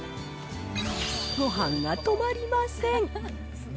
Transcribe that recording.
ごはんが止まりません。